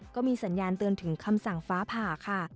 ก็มีสัญญาณเตือนถึงคำสั่งฟ้าผ่าค่ะ